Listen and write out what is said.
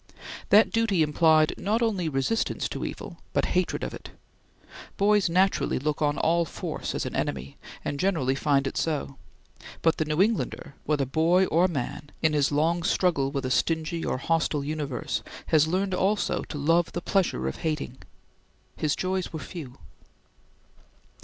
That duty implied not only resistance to evil, but hatred of it. Boys naturally look on all force as an enemy, and generally find it so, but the New Englander, whether boy or man, in his long struggle with a stingy or hostile universe, had learned also to love the pleasure of hating; his joys were few.